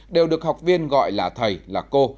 đều được học viên gọi là thầy là cô